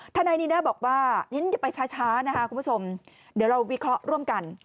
ทนายนิด้าบอกว่าอย่าไปช้านะคะคุณผู้ชมเดี๋ยวเราวิเคราะห์ร่วมกัน